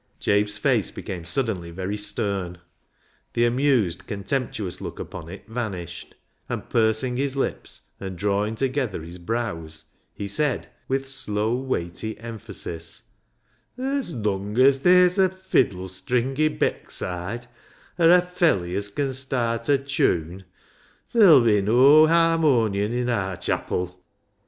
Jabe's face became suddenly very stern. The amused, contemptuous look upon it vanished, and, pursing his lips, and drawing together his brows, he said, with slow weighty emphasis —" As lung as ther's a fiddle string i' Beckside, or a felley as can start a chune [tune], ther'll be noa harmonion i' aar chapil."